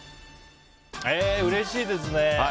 うれしいですね。